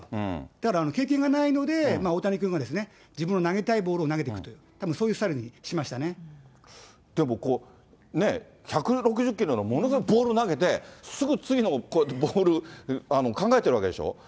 だから経験がないので、大谷君が自分の投げたいボールを投げていくと、でもねぇ、１６０キロのものすごいボールを投げて、すぐ次のボール考えてるわけでしょ？